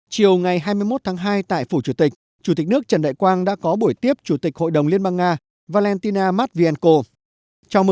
chiều ngày hai mươi một tháng hai tại phủ chủ tịch chủ tịch nước trần đại quang đã có buổi tiếp chủ tịch hội đồng liên bang nga valentina matvienko